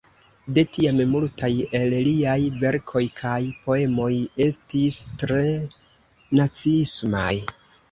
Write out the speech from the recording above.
De tiam multaj el liaj verkoj kaj poemoj estis tre naciismaj.